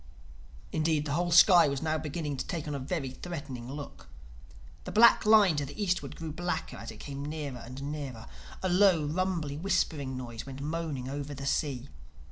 Indeed the whole sky was now beginning to take on a very threatening look. The black line to the eastward grew blacker as it came nearer and nearer. A low, rumbly, whispering noise went moaning over the sea.